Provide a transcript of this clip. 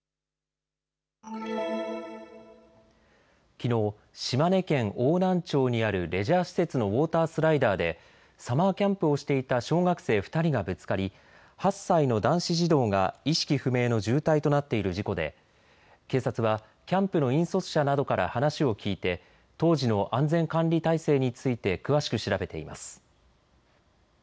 きのう島根県邑南町にあるレジャー施設のウォータースライダーでサマーキャンプをしていた小学生２人がぶつかり８歳の男子児童が意識不明の重体となっている事故で警察はキャンプの引率者などから話を聞いて当時の安全管理態勢について詳しく調べています。